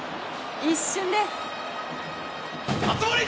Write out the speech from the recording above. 一瞬です！